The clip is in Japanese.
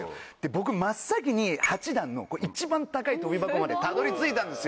僕真っ先に８段の一番高い跳び箱までたどり着いたんですよ。